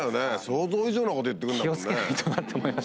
想像以上のこと言って来るんだもんね。